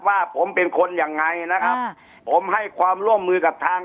ว่าผมเป็นคนยังไงนะครับค่ะผมให้ความร่วมมือกับทาง